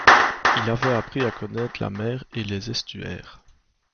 Il avait appris à connaître la mer et les estuaires.